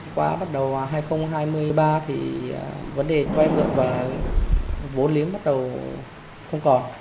quá bắt đầu hai nghìn hai mươi ba thì vấn đề vay mượn và vốn liếng bắt đầu không còn